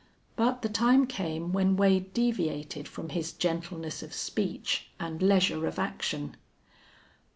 But the time came when Wade deviated from his gentleness of speech and leisure of action.